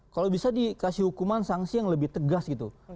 kalau bisa dikasih hukuman sanksi yang lebih tegas gitu